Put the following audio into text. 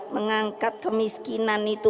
mengangkat kemiskinan itu